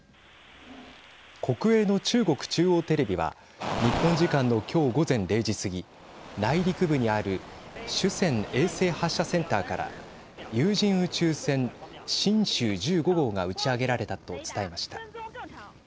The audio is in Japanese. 国営の中国中央テレビは日本時間の今日午前０時過ぎ内陸部にある酒泉衛星発射センターから有人宇宙船、神舟１５号が打ち上げられたと伝えました。